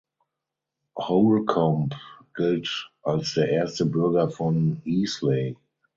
Holcombe gilt als der erste Bürger von Easley.